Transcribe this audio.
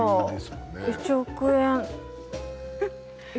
１億円。